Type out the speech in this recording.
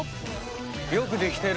よくできてる。